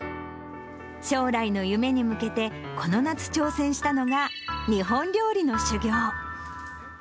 将来の夢に向けて、この夏挑戦したのが、日本料理の修業。